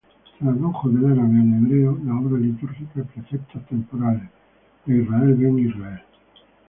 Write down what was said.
Tradujo del árabe al hebreo la obra litúrgica "Preceptos temporales", de Israel ben Israel.